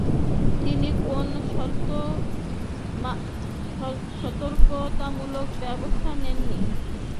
তিনি কোন সতর্কতামূলক ব্যবস্থা নেননি।